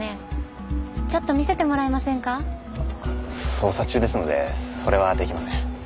捜査中ですのでそれはできません。